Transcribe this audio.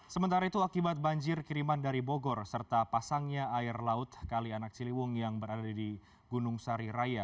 sementara itu akibat banjir kiriman dari bogor serta pasangnya air laut kali anak ciliwung yang berada di gunung sari raya